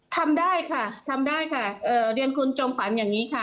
ทำได้ค่ะทำได้ค่ะเรียนคุณจอมฝันอย่างนี้ค่ะ